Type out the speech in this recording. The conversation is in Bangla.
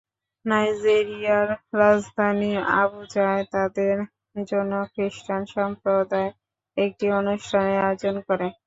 নাইজেরিয়ার রাজধানী আবুজায় তাদের জন্য খ্রিষ্টান সম্প্রদায় একটি অনুষ্ঠানের আয়োজন করে।